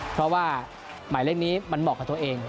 เพราะว่าหมายเลขนี้มันเหมาะกับตัวเอง